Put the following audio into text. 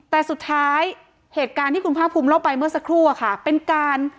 แต่สุดท้ายเหตุการณ์ที่คุณภาคภูมิเล่าไปเมื่อสักครู่อะค่ะเป็นการ